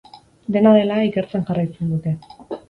Dena dela, ikertzen jarraitzen dute.